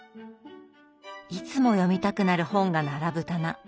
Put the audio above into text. いつも読みたくなる本が並ぶ棚。